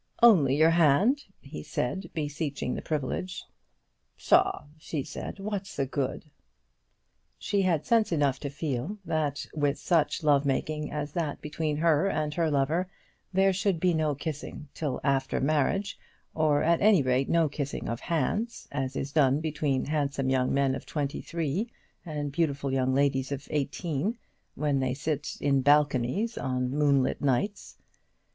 "Only your hand," he said, beseeching the privilege. "Pshaw," she said, "what's the good?" She had sense enough to feel that with such lovemaking as that between her and her lover there should be no kissing till after marriage; or at any rate, no kissing of hands, as is done between handsome young men of twenty three and beautiful young ladies of eighteen, when they sit in balconies on moonlight nights.